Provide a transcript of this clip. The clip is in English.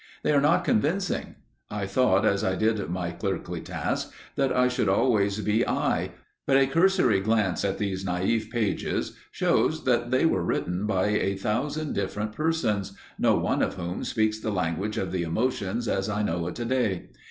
They are not convincing. I thought, as I did my clerkly task, that I should always be I, but a cursory glance at these naïve pages shows that they were written by a thousand different persons, no one of whom speaks the language of the emotions as I know it today.